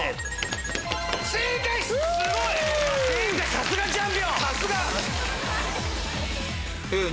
さすがチャンピオン！ヒント